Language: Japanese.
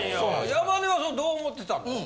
山根はそれどう思ってたの？